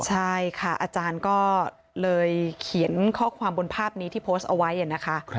ใช่ค่ะอาจารย์ก็เลยเขียนข้อความบนภาพนี้ที่โพสต์เอาไว้นะคะ